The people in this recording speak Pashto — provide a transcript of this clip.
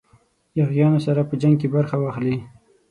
یاغیانو سره په جنګ کې برخه واخلي.